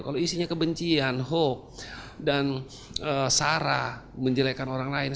kalau isinya kebencian hoax dan sarah menjelekan orang lain